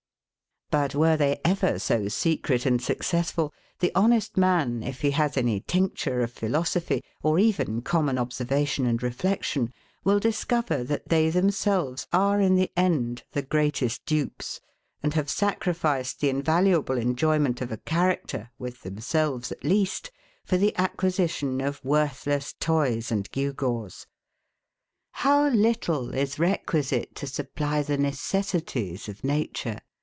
But were they ever so secret and successful, the honest man, if he has any tincture of philosophy, or even common observation and reflection, will discover that they themselves are, in the end, the greatest dupes, and have sacrificed the invaluable enjoyment of a character, with themselves at least, for the acquisition of worthless toys and gewgaws. How little is requisite to supply the necessities of nature?